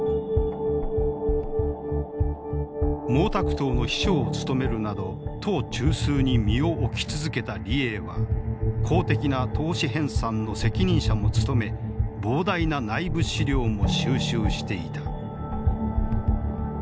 毛沢東の秘書を務めるなど党中枢に身を置き続けた李鋭は公的な党史編さんの責任者も務め膨大な内部資料も収集していた。